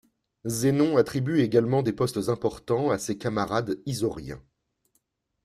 Zénon attribue également des postes importants à ses camarades isauriens.